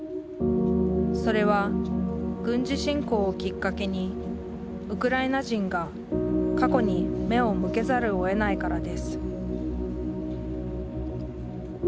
それは軍事侵攻をきっかけにウクライナ人が過去に目を向けざるをえないからです